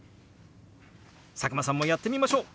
佐久間さんもやってみましょう！